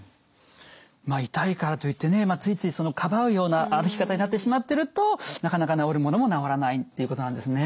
まあ痛いからといってねついついそのかばうような歩き方になってしまってるとなかなか治るものも治らないっていうことなんですね。